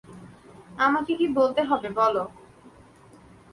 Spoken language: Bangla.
আমাকে কী বলতে হবে বলো?